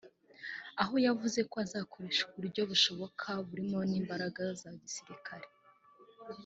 aho yavuze ko azakoresha uburyo bushoboka burimo n’imbaraga za gisirikare